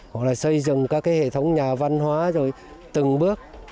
hoặc là xây dựng các cái hệ thống nhà văn hóa rồi từng bước